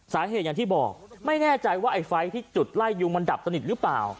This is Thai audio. สาเหตุอย่างที่บอกไม่แน่ใจว่าไอ้ไฟที่จุดไล่ยุงมันดับสนิทหรือเปล่า